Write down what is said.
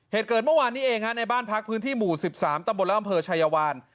เหตุเกิดเมื่อวานนี้เองฮะในบ้านพักพื้นที่หมู่๑๓ตำบลและอำเภอชายวาน